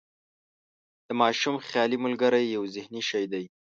د ماشوم خیالي ملګری یو ذهني شی دی.